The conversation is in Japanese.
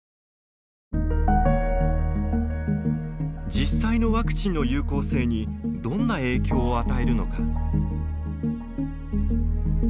実際のワクチンの有効性にどんな影響を与えるのか。